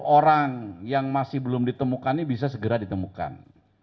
orang yang masih belum ditemukan ini bisa segera ditemukan